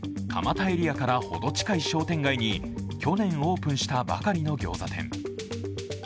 蒲田エリアからほど近い商店街に去年オープンしたばかりのギョーザ店。